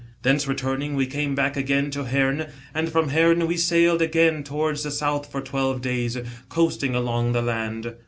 Thence returning, we came back again to Herne, and from Herne, we sailed again towards the south for twelve days, coasting along the land.